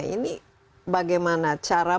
ini bagaimana cara